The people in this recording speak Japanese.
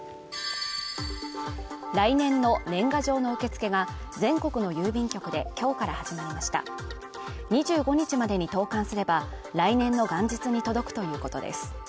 来年の年賀状の受け付けが全国の郵便局で今日から始まりました２５日までに投函すれば来年の元日に届くということです